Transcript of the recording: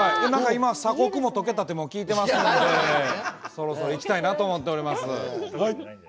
鎖国も解けたと聞いてますのでそろそろ行きたいなと思っております。